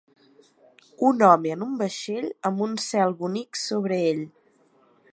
Un home en un vaixell amb un cel bonic sobre ell.